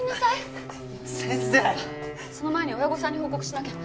その前に親御さんに報告しなきゃ。